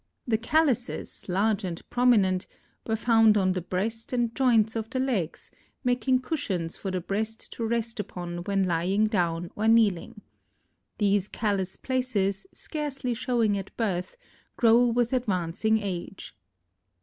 The callouses, large and prominent, were found on the breast and joints of the legs, making cushions for the beast to rest upon when lying down or kneeling. These callous places, scarcely showing at birth, grow with advancing age.